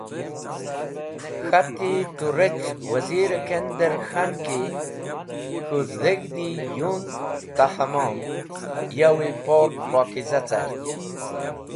K̃hati tu rec̃h wazir-e kender k̃han ki k̃hũ deg̃hdi yund ta hamom yawi pok pokiza cart.